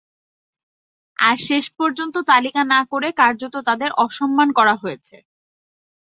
আর শেষ পর্যন্ত তালিকা না করে কার্যত তাঁদের অসম্মান করা হয়েছে।